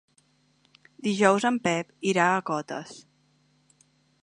Dijous en Pep irà a Cotes.